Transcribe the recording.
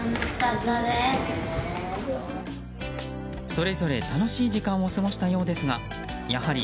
それぞれ楽しい時間を過ごしたようですがやはり、